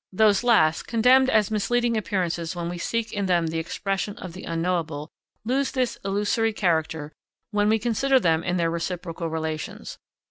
Those last, condemned as misleading appearances when we seek in them the expression of the Unknowable, lose this illusory character when we consider them in their reciprocal relations.